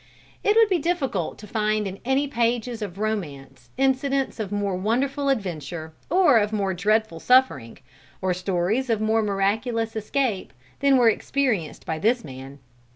It would be difficult to find in any pages of romance incidents of more wonderful adventure, or of more dreadful suffering, or stories of more miraculous escape, than were experienced by this man.